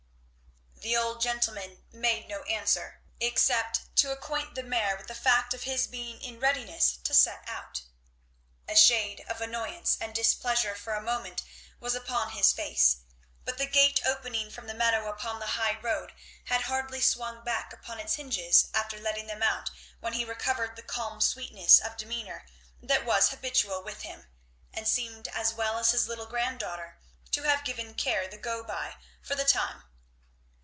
The old gentleman made no answer, except to acquaint the mare with the fact of his being in readiness to set out. A shade of annoyance and displeasure for a moment was upon his face; but the gate opening from the meadow upon the high road had hardly swung back upon its hinges after letting them out when he recovered the calm sweetness of demeanour that was habitual with him, and seemed as well as his little granddaughter to have given care the go by for the time.